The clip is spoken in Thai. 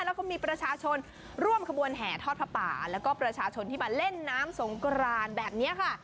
แล้วก็มีประชาชนร่วมขบวนแห่ทอดผ้าป่าแล้วก็ประชาชนที่มาเล่นน้ำสงกรานแบบนี้ค่ะ